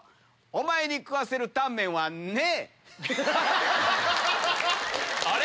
お前に食わせるタンメンはねえ！